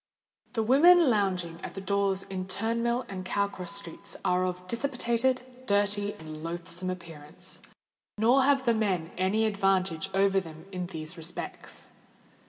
The women lounging at the doors in Turnmill and Cow Cross Streets are of dissipated, dirty, and loathsome appearance: nor have the men any advantage over them in these respects.